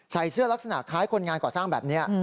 เสื้อลักษณะคล้ายคนงานก่อสร้างแบบนี้